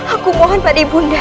aku mohon padibun deh